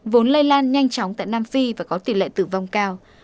vốn lây lan nhanh chóng tại nam phi và có tỷ lệ tử vong cao